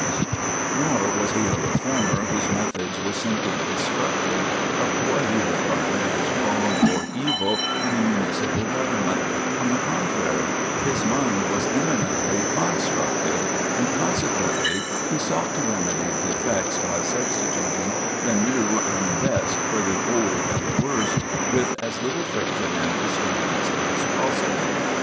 [Sidenote: A Constructive Reformer] Nor was he a reformer whose methods were simply destructive of what he regarded as wrong or evil in the municipal government; on the contrary, his mind was eminently constructive, and consequently he sought to remedy defects by substituting the new and best for the old and worst with as little friction and disturbance as possible.